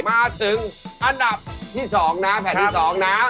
มาถึงอันดับที่๒นะแผ่นที่๒นะ